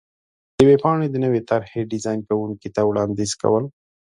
-د ویبپاڼې د نوې طر حې ډېزان کوونکي ته وړاندیز کو ل